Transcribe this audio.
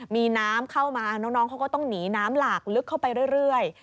มีน้ำเข้ามาน้องเขาก็ต้องหนีน้ำหลากลึกเข้าไปเรื่อย